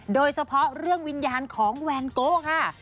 โดยเฉพาะเรื่องวิญญาณของแวนโก้ค่ะ